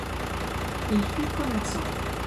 Il fut commerçant.